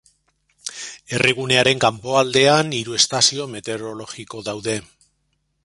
Herrigunearen kanpoaldean hiru estazio meteorologiko daude.